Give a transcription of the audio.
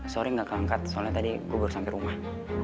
sorry gak keangkat soalnya tadi gue baru sampai rumah